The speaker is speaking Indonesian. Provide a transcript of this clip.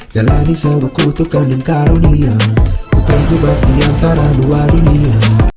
jalani sebuah kutukkan dan karunia ku terjebak di antara dua dunia